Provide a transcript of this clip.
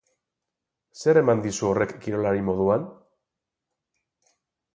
Zer eman dizu horrek kirolari moduan?